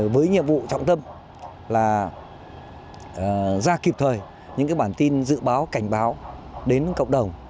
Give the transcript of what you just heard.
với nhiệm vụ trọng tâm là ra kịp thời những bản tin dự báo cảnh báo đến cộng đồng